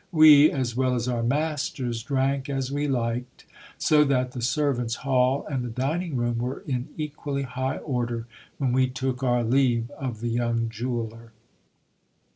We, as well as our masters, drank as we liked, so that the servants' hall and the dining room were in equally high order when we took our leave of the young jeweller.